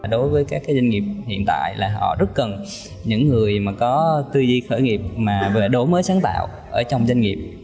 đối với các doanh nghiệp hiện tại là họ rất cần những người có tư duy khởi nghiệp đổi mới sáng tạo ở trong doanh nghiệp